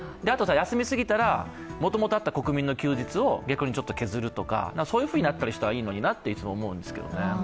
休みすぎたら、もともとあった国民の休日を逆にちょっと削るとかそういうふうになったりしたらいいのになと、いつも思うんですけどね。